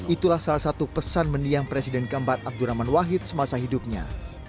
itulah salah satu pesan mendiang presiden keempat abdurrahman wahid semasa hidupnya